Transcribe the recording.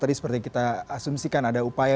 tadi seperti kita asumsikan ada upaya